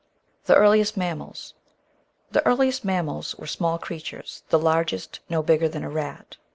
The Earliest Mammals The earliest mammals were small creatures, the largest no bigger than a rat.